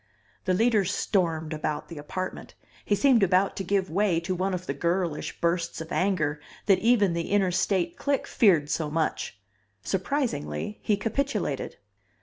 The Leader stormed about the apartment. He seemed about to give way to one of the girlish bursts of anger that even the inner state clique feared so much. Surprisingly he capitulated.